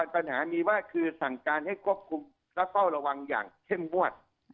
ปัญหามีว่าคือสั่งการให้ควบคุมและเฝ้าระวังอย่างเข้มงวด